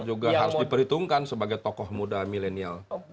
juga harus diperhitungkan sebagai tokoh muda milenial